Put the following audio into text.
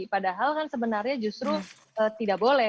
padahal kan sebenarnya justru tidak boleh